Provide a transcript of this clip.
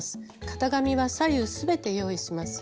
型紙は左右全て用意します。